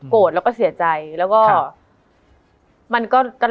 มันทำให้ชีวิตผู้มันไปไม่รอด